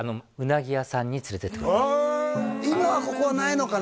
今はここはないのかな？